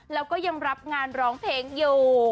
แล้วก็ยังรับงานร้องเพลงอยู่